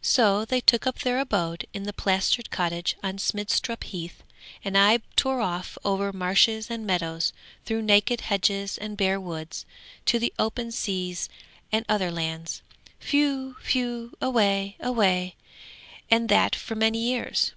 'So they took up their abode in the plastered cottage on Smidstrup Heath, and I tore off over marshes and meadows, through naked hedges and bare woods, to the open seas and other lands. Whew! whew! away, away! and that for many years.'